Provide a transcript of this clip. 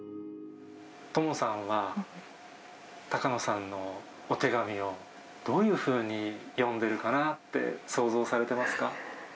トモさんは、高野さんのお手紙を、どういうふうに読んでるかなって、想像されてますか？